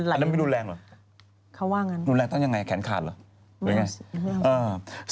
อันนั้นไม่ดูแลงหรอดูแลงต้องอย่างไรแขนขาดหรอหรือไง